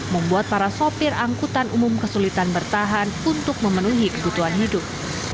membuat para sopir angkutan umum kesulitan bertahan untuk memenuhi kebutuhan hidup